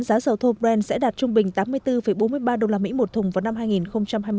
giá dầu thô brant sẽ đạt trung bình tám mươi bốn bốn mươi ba usd một thùng vào năm hai nghìn hai mươi